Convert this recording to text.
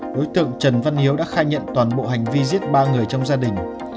đối tượng trần văn hiếu đã khai nhận toàn bộ hành vi giết ba người trong gia đình